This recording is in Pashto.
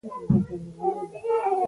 ښوروا د سبو او غوښو ګډ ذوق دی.